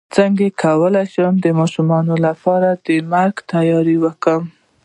څنګه کولی شم د ماشومانو لپاره د مرګ تیاری وکړم